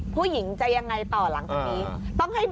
ผู้หญิงจะยังไงต่อหลังเวลา